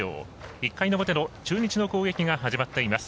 １回の表の中日の攻撃が始まっています。